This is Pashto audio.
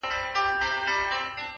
واه واه! خُم د شرابو ته راپرېوتم! بیا!